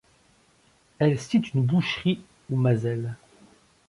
Elles citent une boucherie, ou mazel.